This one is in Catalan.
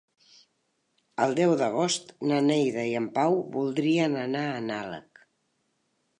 El deu d'agost na Neida i en Pau voldrien anar a Nalec.